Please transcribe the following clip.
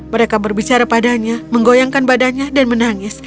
mereka berbicara padanya menggoyangkan badannya dan menangis